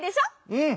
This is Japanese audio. うん！